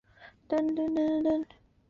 该党是左翼阵线的成员。